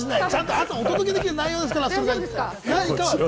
ちゃんとお届けできる内容ですから。